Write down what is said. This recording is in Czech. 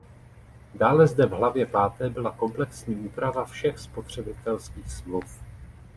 Dále zde v hlavě páté byla komplexní úprava všech spotřebitelských smluv.